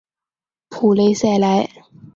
普雷赛莱。